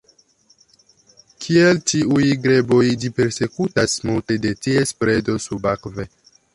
Kiel ĉiuj greboj, ĝi persekutas multe de ties predo subakve.